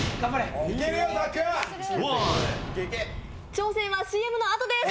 挑戦はＣＭのあとです！